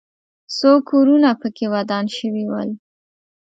څو کورونه پکې ودان شوي ول.